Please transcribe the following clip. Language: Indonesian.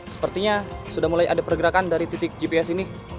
sepertinya sudah mulai ada pergerakan dari titik gps ini